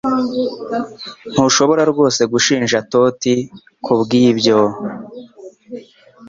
Ntushobora rwose gushinja Toti kubwibyo